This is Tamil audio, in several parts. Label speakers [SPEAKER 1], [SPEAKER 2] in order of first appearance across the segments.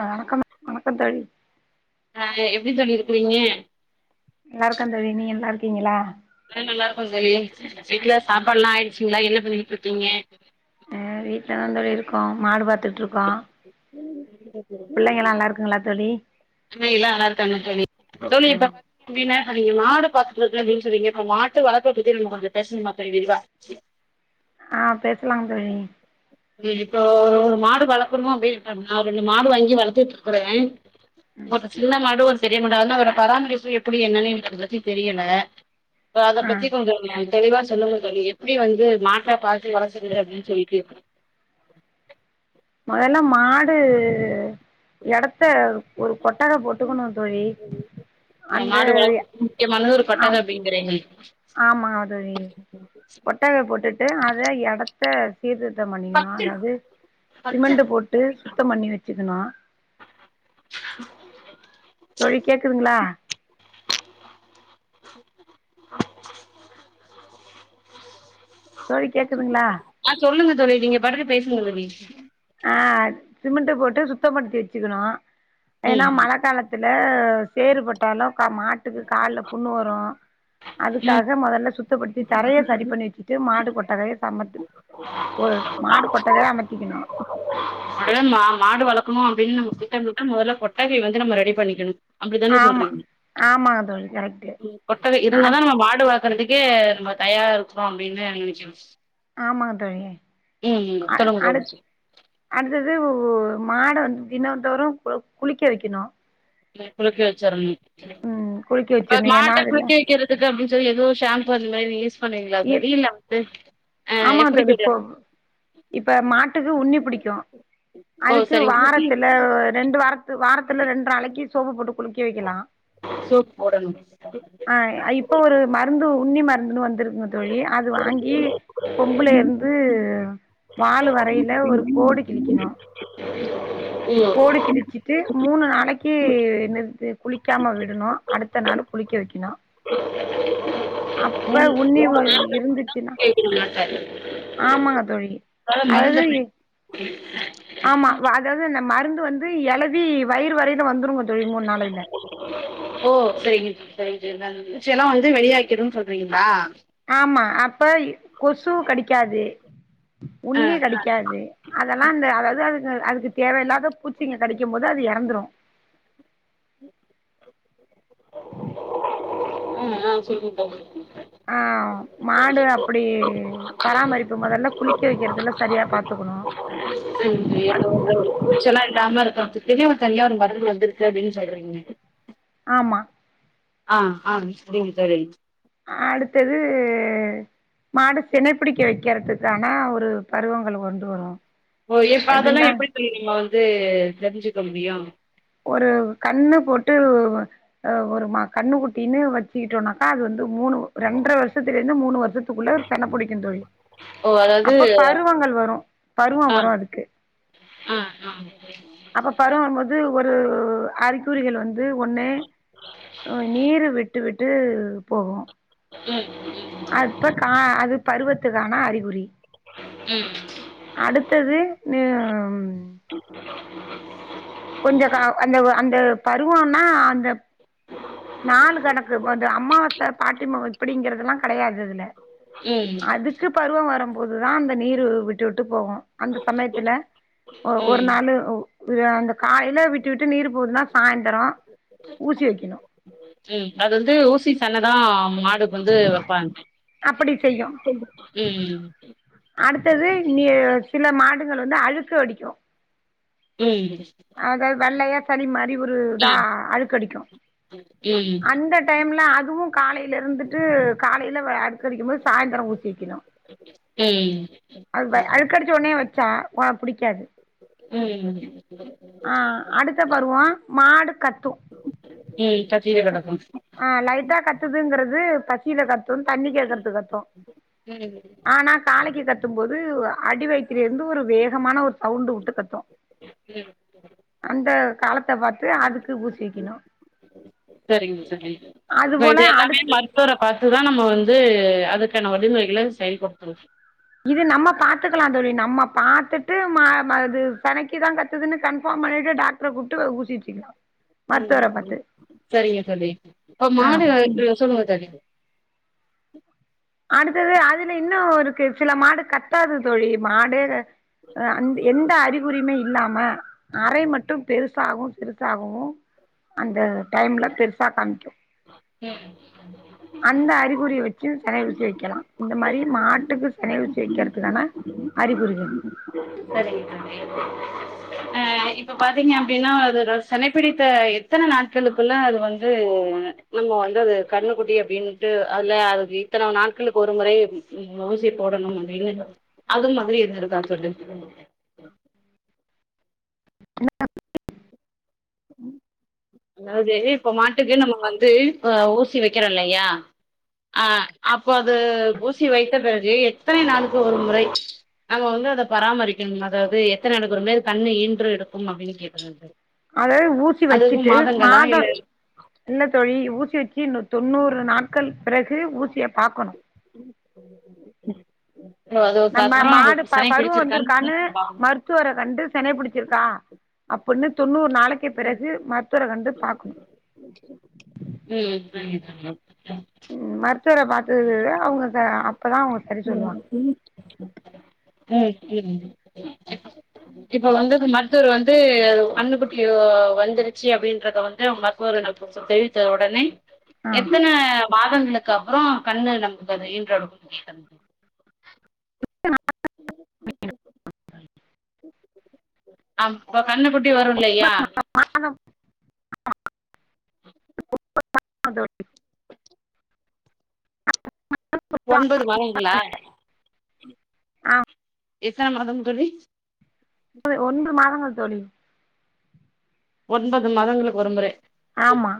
[SPEAKER 1] ஆ வணக்கம் வணக்க தோழி
[SPEAKER 2] ஆ எப்டி தோழி இருக்கிறீங்க
[SPEAKER 1] நால்லா இருக்க தோழி நீங்க நல்லா இருக்கீங்களா
[SPEAKER 2] ஆ நல்லா இருக்கோ தொலி வீட்டுல சாப்பாடுல்லா ஆயிடுச்சுங்களா என்ன பண்ணிகிட் இருக்கீங்க
[SPEAKER 1] அ வீட்டுலதாந்தோழி இருக்கோ மாடு பாத்துட்ருக்கோ
[SPEAKER 2] இல்ல தோழி அ எல்லாரு நல்லா இருக்காங்க தொழி தோழி இப்ப
[SPEAKER 1] ம்
[SPEAKER 2] அப்பின்னா சொன்னிங்க மாடு பாத்துட்றுகே அப்டின் சொன்னிங்கப்ப மாட்டு வளர்ப பத்தி நம்ம கொஞ்சோ பேசினுமா தொழி விரிவா
[SPEAKER 1] ஆ பேசலாங் தொழி
[SPEAKER 2] இப்போ ஒரு மாடு வளக்குறமோ அப்டின் ருக்கா நா ரெண்டு மாடு வாங்கி வளத்துட்ருக்குறே ஒரு சின்ன மாடு ஒர்ஸ் பெரியமாடு அதா வேற பராமரிப்பு எப்டி என்னன்னு எனக்கு அத பத்தி தெரியல சோ அத
[SPEAKER 1] ஆ
[SPEAKER 2] பத்தி கொஞ்சோம் தெளிவா சொல்லுங்க தோலி எப்டி வந்து மாட்டா பாத்து வளச்சுதுற அப்டின் சொல்லிட்டு [inaudible]
[SPEAKER 1] முதல்லா மாடு எடத்த ஒரு கொட்டக போட்டுக்கணு தொழி
[SPEAKER 2] ஆ
[SPEAKER 1] அந்த ஆம்
[SPEAKER 2] திரேய்மை
[SPEAKER 1] ஆமா அதொழி கொட்டகை போட்டுட்டு அத எடத்த சீர்திருதோ பண்ணிக்கணு அதாவுது சிமெண்ட்ட போட்டு சுத்தம் பண்ணி வச்சுக்கணு தோழி கேக்குதுங்களா தோழி கேக்குதுங்களா
[SPEAKER 2] ஆ சொல்லுங்க தோழி நீங்க பாடுகு பேசுங்க தொழி
[SPEAKER 1] ஆ சிமெண்ட்ட் போட்டு சுத்தம் படுத்தி வச்சுக்கணு ஏன்னா
[SPEAKER 2] ம்
[SPEAKER 1] மழ காலத் த்துல சேறுபட்டாலு கா மாட்டுக்கு கால்ல புண்ணு வரு
[SPEAKER 2] ம்
[SPEAKER 1] அதுக்காக மொதல்ல சுத்தப்படுத்தி தரைய சரி பண்ணி வச்சுட்டு மாடு கொட்டகைய சமத்து ஒரு மாடு கொட்டகய அமத்திக்கணு
[SPEAKER 2] அதன் மா மாடு வளக்கணு அப்டின் நம்மதிட்டபோட்டா மொதல்ல கொட்டகை வந்து நம்ம ரெடி பண்ணிக்கணு அப்டிதான
[SPEAKER 1] ஆமா
[SPEAKER 2] சொல்றீங்க
[SPEAKER 1] ஆமாங்க தோழி கரெக்ட்டு
[SPEAKER 2] கொட்டகை
[SPEAKER 1] அட்
[SPEAKER 2] இருந்தாதா நம்ம வாடுவ பாறதுக்கே நம்ம தயாரா இருக்குறோ அப்டின்னு நெனச்ச
[SPEAKER 1] ஆமாங் தோழி
[SPEAKER 2] ம்
[SPEAKER 1] அ
[SPEAKER 2] சொல்லுங்க
[SPEAKER 1] அடுத்
[SPEAKER 2] தோழி
[SPEAKER 1] அடுத்தது மாட வந்து தினோந்தோரு குளிக்க வைக்கணு
[SPEAKER 2] குளிக்கி வச்சுரனு
[SPEAKER 1] ம் குளிக்க
[SPEAKER 2] இப்ப அதுக்
[SPEAKER 1] வச்சிர்ணு ஏன்னா
[SPEAKER 2] மாட்ட
[SPEAKER 1] அதுல
[SPEAKER 2] குளிக்க வைக்கிறது துக்கு அப்டின் சொல்லி ஏது ஷேம்பு அந்த மாத்ரி ஈஸ் பன்னீங்களா
[SPEAKER 1] ஈர்
[SPEAKER 2] தொழி இல்ல வந்து அ
[SPEAKER 1] ஆமா
[SPEAKER 2] எப்டி
[SPEAKER 1] தோழி
[SPEAKER 2] தொழி
[SPEAKER 1] இப்போ
[SPEAKER 2] அது
[SPEAKER 1] இப்ப மாட்டுக்கு உண்ணி பிடிக்கு
[SPEAKER 2] ஓ
[SPEAKER 1] அதுக்கு
[SPEAKER 2] சரிங்க
[SPEAKER 1] வாரத்துல ரெண்டு வாரத் வாரத்துல ரெண்டு நாளைக்கி சோப்பு போட்டு குலிக்கே வைக்கலா
[SPEAKER 2] சோப் போடனு
[SPEAKER 1] ஆ இப்போ ஒரு மருந்து உன்னி மருந்துனு வந்துருக் தொழி அது வாங்கி கொம்புலே ருந்து வாலு வர் கையில ஒரு கோடு கிழிக்கணு
[SPEAKER 2] ம்
[SPEAKER 1] கோடு கிழிச்சிட்டு மூணு நாளைக்கு என்னது குளிக்காம விடணு அடுத்த நாள் குளிக்க வெக்கணு அப்ப உன்னிவு இருந்துச்சுனா
[SPEAKER 2] [unintelligible]
[SPEAKER 1] ஆமாங்க தோழி
[SPEAKER 2] மருந்த
[SPEAKER 1] அதாவது
[SPEAKER 2] பயன்
[SPEAKER 1] ஆமா அதாவது இந்த மருந்து வந்து எழதி வயிறு வரையில வந்துருங்க தோழி மூணு நாளையில
[SPEAKER 2] ஓ சரிங்க சரி சரிங்க வெச்சேன்ன எல்லா வந்து வெளியாக்கிடும்னு சொல்றீங்ளா
[SPEAKER 1] ஆமா அப்ப கொசு கடிக்காது
[SPEAKER 2] ஆ
[SPEAKER 1] உண்ணி கடிக்காது அதெல்லா அந்த அதாவது அதுக்கு அதுக்கு தேவயில்லாத பூச்சிங்க கடிக்கு போது அது எறந்துரும்
[SPEAKER 2] ம் ம் சரி தோழி
[SPEAKER 1] ஆ மாடு அப்டி பராமரிப்பு மொதல்ல குளிக்க வைக்கிறதுல்லா சரியா பாத்துக்கணு
[SPEAKER 2] பூச்சல்லா இல்லாம இருக்கறதுக்குனே ஒரு தனியா ஒரு மருந்து வந்திருக்கு அப்டினு சொல்றீங்க
[SPEAKER 1] ஆமா
[SPEAKER 2] ஆ ஆ சரிங் தோழி
[SPEAKER 1] அடுத்தது மாடு சினை பிடிக்க வைக்கிறதுக்கானா ஒரு பருவங்கள் கொண்டு வரு
[SPEAKER 2] ஓ எப்ப அதலா
[SPEAKER 1] எப்டின்னா
[SPEAKER 2] எப்டி தோழி நம்ம வந்து தெரிஞ்சுக்க முடியு
[SPEAKER 1] ஒரு கண்ணு போட்டு அ ஒரு கண்ணுக்குட்டின்னு வச்சுக்கிட்டோனாக்கா அது வந்து மூணு ரெண்ர வருஷத்துல இருந்து மூணு வருஷத்துக்குள்ள ஒரு சென புடிக்கு தோழி
[SPEAKER 2] ஓ அதாவது
[SPEAKER 1] அப்ப பருவங்கள் வரு பருவோ
[SPEAKER 2] ஆ
[SPEAKER 1] வரு அதுக்கு
[SPEAKER 2] ஆ ஆ
[SPEAKER 1] அப்ப பருவ வருபோது ஒரு அரி சூறிகள் வந்து ஒன்னே நீரு விட்டு விட்டு போகு
[SPEAKER 2] ம் ம்
[SPEAKER 1] அத்ப்ப கா அது பருவத்துக்கானா அறிகுறி
[SPEAKER 2] ம்
[SPEAKER 1] அடுத்தது ம் கொஞ்ச கா அந்த அந்த பருவம்னா அந்த நாலு கணக்கு அது அம்மாவாச பாட்டிம இப்டிங்கறதுல்லா கெடயாது இதுல
[SPEAKER 2] ம்
[SPEAKER 1] க்கு பருவம் வருபோதுதா அந்த நீரு விட்டு விட்டு போகு அந்த சமயத்துல ஒ ஒரு
[SPEAKER 2] ம்
[SPEAKER 1] நாளு அந்த காயில விட்டு விட்டு நீர் போதுன்னா சாய்ந்த்ரோ ஊசி வைக்கணு
[SPEAKER 2] ம் அது வந்து ஊசி சென தா மாடு வந்து வப்பாங்க
[SPEAKER 1] அப்படி செய்யு
[SPEAKER 2] ம் ம்
[SPEAKER 1] அடுத்தது இ சில மாடுங்கள் வந்து அழுக்கு வடிக்கு
[SPEAKER 2] ம்
[SPEAKER 1] அதாவது வெள்ளையா சளி மாரி ஒரு இதா
[SPEAKER 2] ம்
[SPEAKER 1] அழுக்கடிக்கு
[SPEAKER 2] ம்
[SPEAKER 1] அந்த டைம்ல அதுவு காலைல இருந்துட்டு காலையில அழுக்கடிக்கும் போது சாய்ந்தரோ ஊசி வைக்கணு
[SPEAKER 2] ம்
[SPEAKER 1] அது அழுக்கடிச்ச உனே வச்சா வா புடிக்காது
[SPEAKER 2] ம்
[SPEAKER 1] ஆ அடுத்த பருவோ மாடு கத்தும்
[SPEAKER 2] ம் கத்தினு கெடக்கும்
[SPEAKER 1] ஆ லைட்டா கத்துதுங்கிறது பசியில கத்தும் தண்ணி கேக்குறதுக் கத்தும் ஆனா காளைக்கி கத்தும் போது அடி வயித்துல இருந்து ஒரு வேகமான ஒரு சவுண்டு உட்டு கத்து
[SPEAKER 2] ம் [inaudible]
[SPEAKER 1] அந்த காலத்த பாத்து அதுக்கு ஊசி வெக்கணு
[SPEAKER 2] சரிங்க சரிங்க
[SPEAKER 1] அது
[SPEAKER 2] இப்ப
[SPEAKER 1] போல
[SPEAKER 2] இது எல்லாமே
[SPEAKER 1] அடுத்து
[SPEAKER 2] மரு த்துவர பாத்துதா நம்ம வந்து அதுக்கான வழிமுறைகள செயல் படுத்தனு
[SPEAKER 1] இது நம்ம பாத்துக்கலா தோழி நம்ம பாத்துட்டு மா ம அது செனைக்கு தா கத்துதுன்னு கன்ஃபார்ம் பண்ணிட்டு டாக் டர கூப்ட்டு ஊசி வெச்சிக்கனு
[SPEAKER 2] ம் ம் செரிங்க தோழி அப்ப மாடு
[SPEAKER 1] ஆமா
[SPEAKER 2] இங்க சொல்லுங்க தோழி
[SPEAKER 1] அடுத்தது அதுல இன்னு இருக்கு சில மாடு கத்தாது தோழி மாடே அந் எந்த அறிகுறியிமே இல்லாம அறை மட்டு பெருசாகு சிறுசாகு அந்த டைம்ல பெருசா காமிக்கு
[SPEAKER 2] [inaudible]
[SPEAKER 1] அந்த அறிகுறிய வெச்சு செனை ஊசி வைக்கலா இந்த மாரி மாட்டுக்கு செனை ஊசி வெக்கற்துக்கான அறிகுறிகள்
[SPEAKER 2] செரிங்க தோழி அ இப்ப பாத்தீங்க அப்டின்னா அது செனை பிடித்த எத்தன நாட்களுக்குள்ள அது வந்து இவங்க வந்து அது கண்ணுக்குட்டி அப்டின்ட்டு அதுல அது இத்தன நாட்களுக்கு ஒரு முறை நீங்க ஊசிய போடணு அது இல்லனா அது மாதிரி எது இருக்கான் [unintelligible]
[SPEAKER 1] [inaudible]
[SPEAKER 2] ம் அதாவது இப்ப மாட்டுக்கு நம்ம வந்து அ ஊசி வெக்கறோ இல்லையா அ அப்போ அது ஊசி வைத்த பிறகு எத்தனை நாளுக்கு ஒரு முறை நம்ம வந்து அத பராமரிக்கணு அதாவது எத்தனை ஆண்டுக்கு ஒருமுறை கண்ணு ஈன்று எடுக்கும் அப்டின்னு கேக்கற தோழி
[SPEAKER 1] அதாவது ஊசி வச்சிட்டு மாதொ
[SPEAKER 2] இல்ல
[SPEAKER 1] இல்ல தோழி ஊசி வெச்சி இன்னு தொண்ணூறு நாட்கள் பிறகு ஊசிய பாக்கணு
[SPEAKER 2] இப்போ அது
[SPEAKER 1] நம்ம
[SPEAKER 2] கத்துறோ அது
[SPEAKER 1] மாடு ப
[SPEAKER 2] சனி
[SPEAKER 1] பருவம்
[SPEAKER 2] பிடிச்சிருக்கான்னு
[SPEAKER 1] வந்திருக்கான்னு
[SPEAKER 2] பார்க்கணும்.
[SPEAKER 1] மருத் துவர கண்டு செனை பிடிச்சிருக்கா அப்பின்னு தொண்ணூறு நாளைக்கு பிறகு மருத்துவர கண்டு பாக்கணு
[SPEAKER 2] ஓகே ஓகே ம் [unintelligible]
[SPEAKER 1] ம் மருத்துவர பாத்ததுதா அவங்ககு அப்பதா அவுங்க
[SPEAKER 2] சரி [inaudible] இப்ப வந்து மருத்துவர் வந்து கன்னு குட்டி வந்துருச்சு அப்டின்றத வந்து மருத்துவரிடம் தெரிவித்த உடனே
[SPEAKER 1] ஆ
[SPEAKER 2] எத்தன மாதங்களுக்கு அப்புறோ கன்னு நம்ளுக்கு அது ஈன்றெடுக்கும் [unintelligible] தோழி.
[SPEAKER 1] [inaudible]
[SPEAKER 2] [inaudible] ஆ ப்ப கன்னுக்குட்டி வரு இல்லையா
[SPEAKER 1] ஆ [inaudible]
[SPEAKER 2] ஒன்பது மாதங்களா
[SPEAKER 1] ஆ
[SPEAKER 2] எத்தன மாதம் தோழி
[SPEAKER 1] ஒன்று மாதங்கள் தோழி
[SPEAKER 2] ஒன்பது மாதங்களுக்கு ஒருமுறை
[SPEAKER 1] ஆமா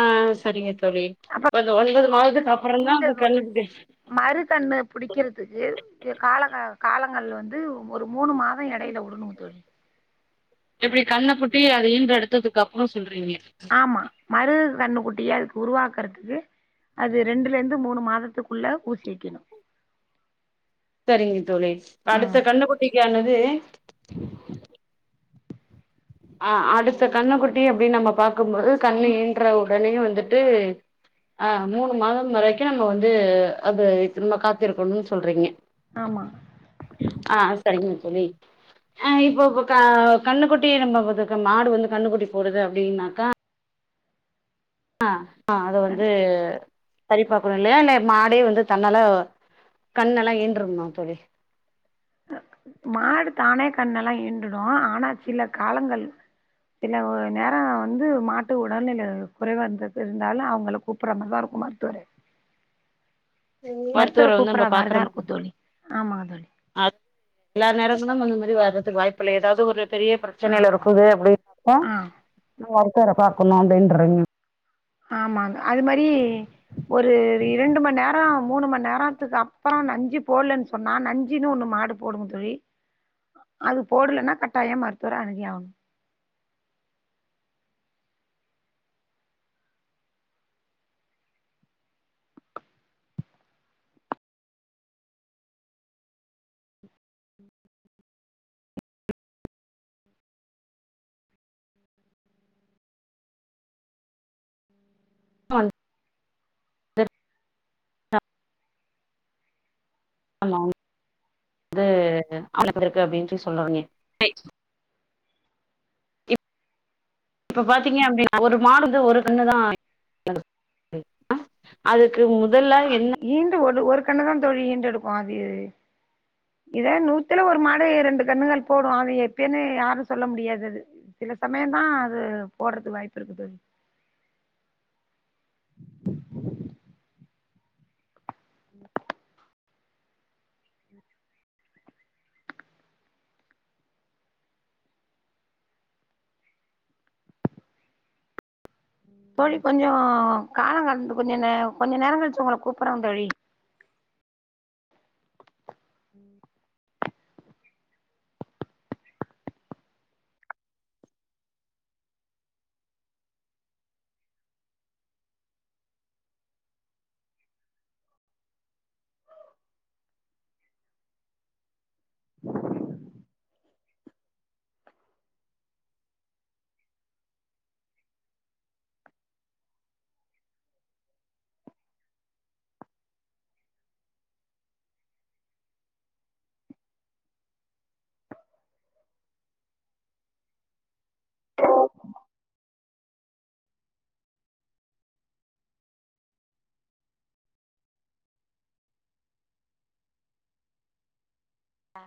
[SPEAKER 2] ஆ செரிங்க தோழி
[SPEAKER 1] அப்ப
[SPEAKER 2] இப்ப இந்த ஒன்பது மாதத்துக்கு அப்புறந்தா அந்த கன்னுக்குட்டி
[SPEAKER 1] மறுகண்ணு புடிக்கிறதுக்கு காலக காலங்கள் வந்து ஒரு மூணு மாதம் இடையில விடனும் தோழி
[SPEAKER 2] எது கண்ண குட்டி அது ஈன்ற எடுத்ததுக்கு அப்பறம் சொல்றீங்க
[SPEAKER 1] ஆமா மறு கண்ணு குட்டிய அதுக்கு உருவாக்குறதுக்கு அது ரெண்டுல இருந்து மூணு மாதத்துக்குள்ள ஊசி வைக்கணும்.
[SPEAKER 2] சேரிங்க தோழி அடுத்த கண்ணுகுட்டிக்கானது அ அடுத்த கண்ணுக்குட்டி அப்டின்னு நம்ம பாக்கும்போது கண்ணு ஈன்ற உடனேயே வந்துட்டு ஆ மூணு மாதம் வரைக்கும் நம்ம வந்து அது திரும்ப காத்திருக்கணும்னு சொல்றீங்க
[SPEAKER 1] ஆமா
[SPEAKER 2] ஆ சேரிங்க தோழி ஆ இப்போ இப்ப கன்னுக்குட்டி நம்ம ஒருதக்க மாடு வந்து கன்னுக்குடி போடுது அப்டின்னாக்கா ஆ ஆ அத வந்து சரி பார்க்கணும் இல்லையா இல்ல மாடே வந்து தன்னால கண்ணெல்லாம் ஈன்றுமா தோழி
[SPEAKER 1] மாடு தானே கன்னெல்லாம் ஈன்றுடும் ஆன சில காலங்கள் இல்ல நேரம் வந்து மாட்டுக்கு உடல்நிலை குறைவா இருந்தது இருந்தாலும் அவங்கள கூப்பிட மாரி தான் இருக்குமா மருத்துவரை
[SPEAKER 2] மருத்துவரை வந்து நம்ம
[SPEAKER 1] கூப்பிட்ற மாதிரி
[SPEAKER 2] பார்ககற
[SPEAKER 1] தான்
[SPEAKER 2] மாரி இருக்கும்
[SPEAKER 1] தோழி ஆமாங்க தோழி
[SPEAKER 2] ஆ எல்லா நேரமும் அந்த மாரி வர்றதுக்கு வாய்ப்பு இல்ல ஏதாவது ஒரு பெரிய பிரச்
[SPEAKER 1] ஆ
[SPEAKER 2] பிரச்சனைல இருக்குது அப்டின்னா அப்ப
[SPEAKER 1] ஆ
[SPEAKER 2] நம் மருத்துவரை பார்க்கனும் அப்டின்றது
[SPEAKER 1] ஆமாங்க அது மாரி ஒரு இரண்டு மணி நேரோ மூணு மணி நேரத்துக்கு அப்பறம் நஞ்சு போடலன் சொன்னா நஞ்சின்னு ஒன்னு மாடு போடுங்க தோழி
[SPEAKER 2] ஆ
[SPEAKER 1] அது போடலன்னா கட்டாயம் மருத்துவரை அனுகி ஆகனும்
[SPEAKER 2] ட்ரால் ஆமா அது ஆளுங்கடத்திறதுக்கு அப்டின் சொல்லுவோமே இப்போ பார்த்தீங்கன்னா அப்டின்னா ஒரு மாடுக்கு ஒரு கன்று தான் அதுக்கு முதல என்ன
[SPEAKER 1] ஈன்டு ஒரு ஒரு கன்னு தான் தோழி ஈன்டு எடுக்கும் அது இதே நூத்துல ஒருமாடு ரெண்டு கன்னுகள் போடும் அது எப்பயேன்னு யாரும் சொல்ல முடியாதது அது சில சமயம் தான் அது போடுறதுக்கு வாய்ப்பு இருக்கு தோழி உ தோழி கொஞ்சம் காலம் கடந்து கொஞ்ச நே கொஞ்ச நேரம் கழிச்சு உங்களை கூப்பிடுறோன் தோழி ம் ஆ